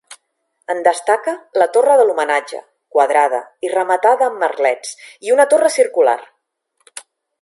En destaca la torre de l'homenatge, quadrada i rematada amb merlets, i una torre circular.